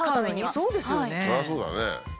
それはそうだね。